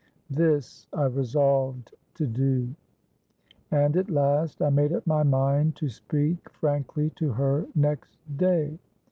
This I resolved to do; and at last I made up my mind to speak frankly to her next day.